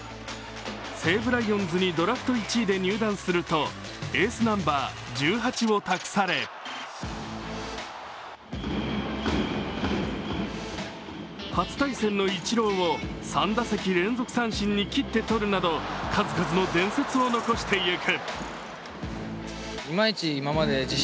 西武ライオンズにドラフト１位で入団するとエースナンバー１８を託され初対戦のイチローを３打席連続三振に切ってとるなど数々の伝説を残してゆく。